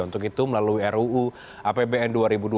untuk itu melalui ruu apbn dua ribu dua puluh